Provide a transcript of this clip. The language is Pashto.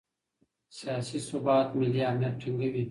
سیاسي ثبات ملي امنیت ټینګوي